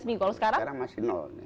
seminggu kalau sekarang sekarang masih